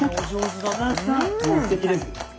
・もうすてきです。